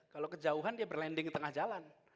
kalau kejauhan dia berlending di tengah jalan